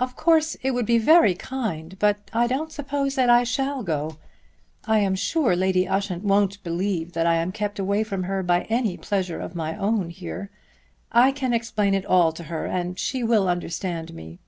"Of course it would be very kind; but I don't suppose that I shall go. I am sure Lady Ushant won't believe that I am kept away from her by any pleasure of my own here. I can explain it all to her and she will understand me."